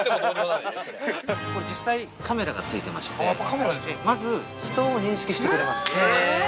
◆実際ラジオがついてまして、まず人を認識してくれます。